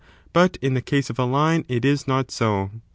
But in the case of a line it is not so.